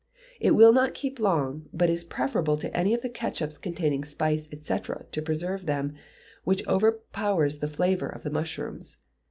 It will not keep long, but is preferable to any of the ketchups containing spice, &c., to preserve them, which overpowers the flavour of the mushrooms.